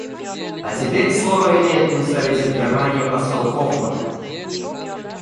А теперь слово имеет представитель Германии посол Хоффман.